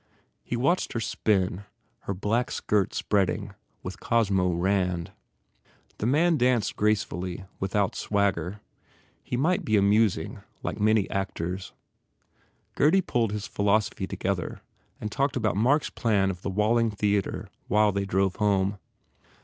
He watched her spin, her black skirt spreading, with Cosmo Rand. The man danced gracefully, without swagger. He might be amusing, like many act ors. Gurdy pulled his philosophy together and talked about Mark s plan of the Walling Theatre while they drove home.